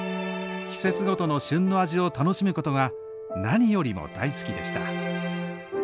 季節ごとの旬の味を楽しむことが何よりも大好きでした。